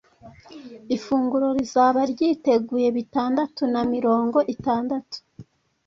Ifunguro rizaba ryiteguye bitandatu na mirongo itatu.